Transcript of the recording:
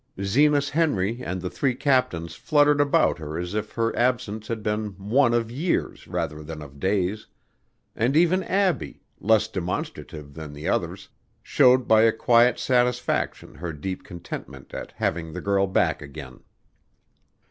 Zenas Henry and the three captains fluttered about her as if her absence had been one of years rather than of days; and even Abbie, less demonstrative than the others, showed by a quiet satisfaction her deep contentment at having the girl back again.